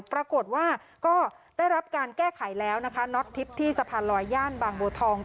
ปรากฏว่าก็ได้รับการแก้ไขแล้วนะคะน็อตทิพย์ที่สะพานลอยย่านบางบัวทอง